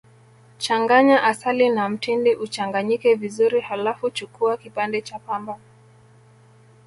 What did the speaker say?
Changanya asali na mtindi uchanganyike vizuri Halafu chukua kipande cha pamba